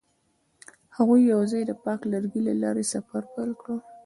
هغوی یوځای د پاک لرګی له لارې سفر پیل کړ.